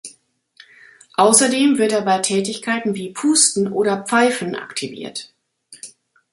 Außerdem wird er bei Tätigkeiten wie Pusten oder Pfeifen aktiviert.